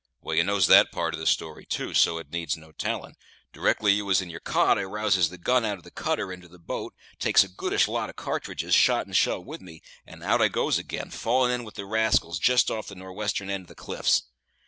Well, you knows that part of the story too; so it needs no telling. Directly you was in your cot, I rouses the gun out of the cutter into the boat, takes a goodish lot of cartridges, shot and shell with me, and out I goes ag'in, fallin' in with the rascals just off the nor' western end of the cliffs.